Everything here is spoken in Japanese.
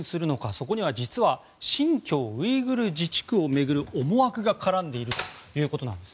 そこには実は新疆ウイグル自治区を巡る思惑が絡んでいるということなんです。